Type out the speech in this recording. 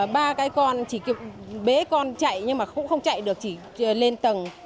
ba cái con chỉ kịp bé con chạy nhưng mà không chạy được chỉ lên tầng